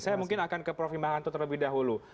saya mungkin akan ke prof himbahanto terlebih dahulu